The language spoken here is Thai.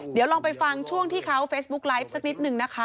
เดี๋ยวลองไปฟังช่วงที่เขาเฟซบุ๊กไลฟ์สักนิดนึงนะคะ